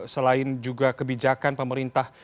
selain juga kebijakan pemerintah